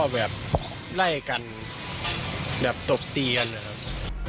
แบบไล่กันแบบตบตีกันนะครับ